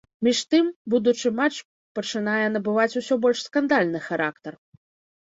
Між тым, будучы матч пачынае набываць усё больш скандальны характар.